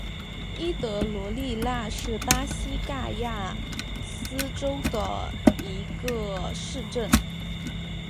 伊德罗利纳是巴西戈亚斯州的一个市镇。